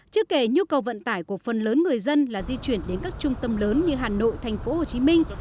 chưa kể nhu cầu vận tải của phần lớn người dân là di chuyển đến các trung tâm lớn như hà nội thành phố hồ chí minh